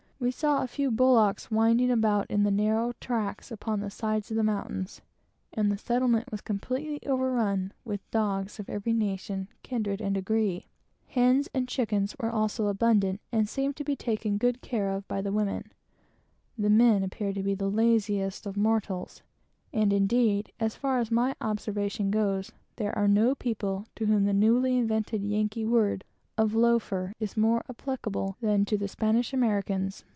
We saw a few bullocks winding about in the narrow tracks upon the sides of the mountains, and the settlement was completely overrun with dogs of every nation, kindred, and degree. Hens and chickens were also abundant, and seemed to be taken good care of by the women. The men appeared to be the laziest people upon the face of the earth; and indeed, as far as my observation goes, there are no people to whom the newly invented Yankee word of "loafer" is more applicable than to the Spanish Americans.